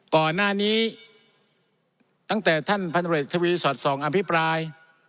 ก่อนหน้านี้ตั้งแต่ท่านธรรมรัสละเทวิร์นสอดส่องอภิปราย